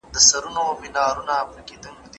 آیا ټول انسانان د ژوند حق لري؟